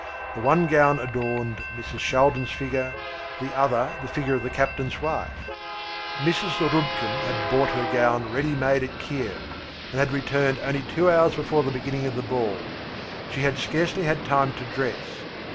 The one gown adorned Mrs. Shaldin's figure, the other the figure of the captain's wife. Mrs. Zarubkin had bought her gown ready made at Kiev, and had returned only two hours before the beginning of the ball. She had scarcely had time to dress.